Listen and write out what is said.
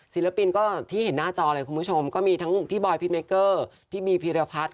ศิลปินก็ที่เห็นหน้าจอเลยคุณผู้ชมก็มีทั้งพี่บอยพี่เมเกอร์พี่บีพีรพัฒน์